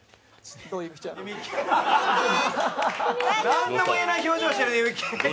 何とも言えない表情してるね。